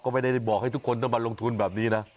ก็ไม่ได้บอกให้ทุกคนต้องมาลงทุนแบบนี้นะ